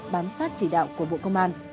bán sát chỉ đạo của bộ công an